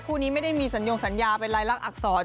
คู่นี้ไม่ได้มีสัญญาไปรายละอักษร